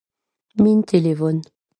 min Téléphone